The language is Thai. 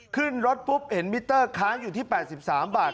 ขึ้นรถปุ๊บเห็นมิเตอร์ค้างอยู่ที่๘๓บาท